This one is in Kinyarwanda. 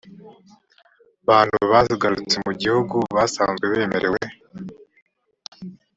bantu bagarutse mu gihugu basanzwe bemerewe